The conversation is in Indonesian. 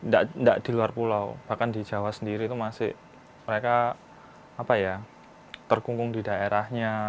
tidak di luar pulau bahkan di jawa sendiri itu masih mereka terkungkung di daerahnya